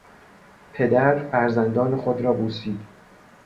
پدر فرزندان خود را بوسید.